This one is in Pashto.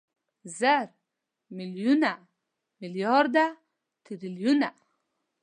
زره، ميليونه، ميليارده، تريليونه